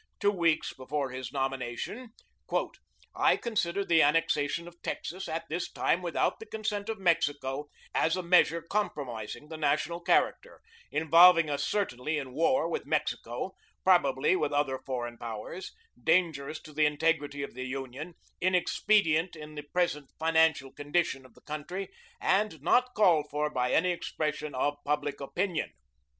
two weeks before his nomination, "I consider the annexation of Texas, at this time, without the consent of Mexico, as a measure compromising the national character, involving us certainly in war with Mexico, probably with other foreign powers, dangerous to the integrity of the Union, inexpedient in the present financial condition of the country, and not called for by any expression of public opinion."